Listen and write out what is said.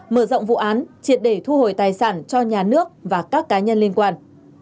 mở rộng vụ án triệt để thu hồi tài sản cho nhà nước và các cá nhân liên quan